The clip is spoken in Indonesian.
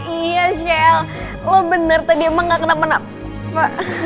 iya shell lo bener tadi emang gak kenapa kenapa